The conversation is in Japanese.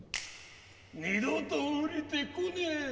二度とおりてこねえ。